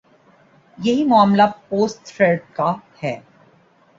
یہی معاملہ post truth کا ہے۔